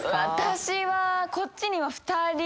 私はこっちには。